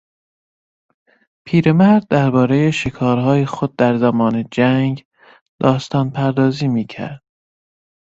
پیرمرد دربارهی شاهکارهای خود در زمان جنگ داستانپردازی میکرد.